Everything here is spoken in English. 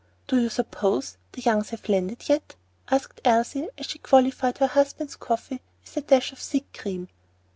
"Do you suppose the Youngs have landed yet?" asked Elsie as she qualified her husband's coffee with a dash of thick cream.